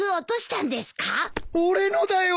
俺のだよ！